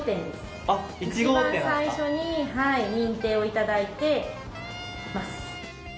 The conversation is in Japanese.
いちばん最初に認定を頂いてます。